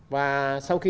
và sau khi